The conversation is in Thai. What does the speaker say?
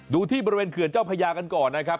ที่บริเวณเขื่อนเจ้าพญากันก่อนนะครับ